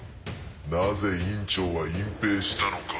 なぜ院長は隠蔽したのか。